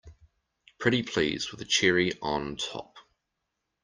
Pretty please with a cherry on top!